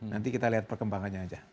nanti kita lihat perkembangannya aja